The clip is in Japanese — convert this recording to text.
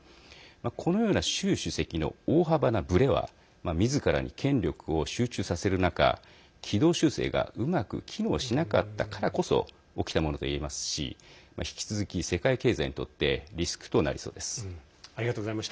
このような習主席の大幅なぶれはみずからに権力を集中させる中軌道修正がうまく機能しなかったからこそ起きたものといえますし引き続き世界経済にとってリスクとなりそうです。